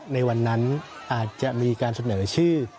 ในวันนั้นอาจจะมีการเสนอชื่อ